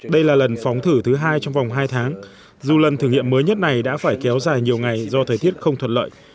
đây là lần phóng thử thứ hai trong vòng hai tháng dù lần thử nghiệm mới nhất này đã phải kéo dài nhiều ngày do thời tiết không thuận lợi